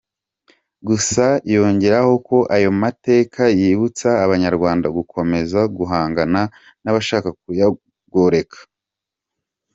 Gusa yongeraho ko ayo mateka yibutsa Abanyarwanda gukomeza guhangana n’abashaka kuyagoreka.